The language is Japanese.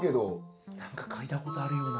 何か嗅いだことあるような。